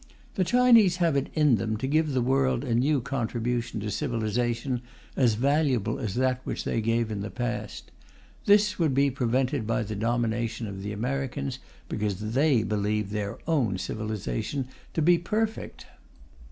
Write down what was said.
The Chinese have it in them to give to the world a new contribution to civilization as valuable as that which they gave in the past. This would be prevented by the domination of the Americans, because they believe their own civilization to be perfect.